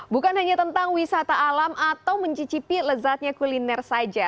bukan hanya tentang wisata alam atau mencicipi lezatnya kuliner saja